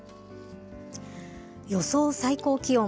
予想最高気温。